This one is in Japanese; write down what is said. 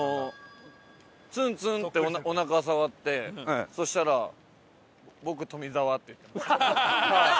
ツンツンっておなか触ってそしたら「僕富澤」って言ってました。